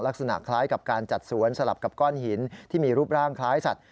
ลักษณะคล้ายกับการจัดสวนสลับกับก้อนหินที่มีรูปร่างคล้ายสัตว